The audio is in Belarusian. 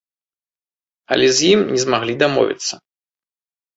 Але з ім не змаглі дамовіцца.